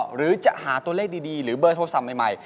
หรือจะหาตัวเลขดีหรือเบอร์โทรศัพท์ใหม่